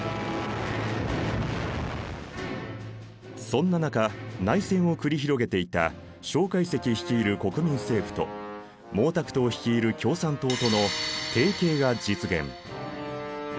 そんな中内戦を繰り広げていた介石率いる国民政府と毛沢東率いる共産党との提携が実現。